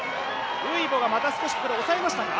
ウイボがまた少し抑えましたか。